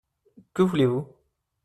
Que voulez-vous ?